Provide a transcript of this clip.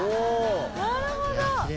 なるほど。